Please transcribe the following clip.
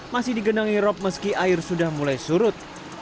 masih digenangi rop meski air sudah mulai surut